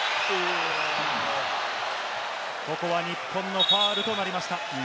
ここは日本のファウルとなりました。